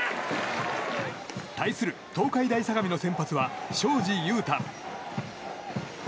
対する東海大相模の先発は庄司裕太。